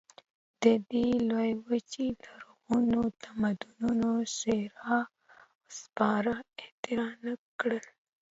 د دې لویې وچې لرغونو تمدنونو څرخ او سپاره اختراع نه کړل.